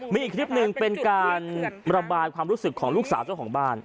มีอีกคลิปหนึ่งเป็นการระบายความรู้สึกของลูกสาวเจ้าของบ้าน